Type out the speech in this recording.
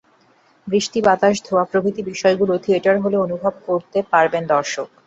বৃষ্টি, বাতাস, ধোঁয়া প্রভৃতি বিষয়গুলো থিয়েটার হলে অনুভব করতে পারবেন দর্শক।